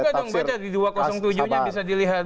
kita dong baca di dua ratus tujuh nya bisa dilihat